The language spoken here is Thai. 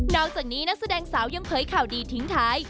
อกจากนี้นักแสดงสาวยังเผยข่าวดีทิ้งท้าย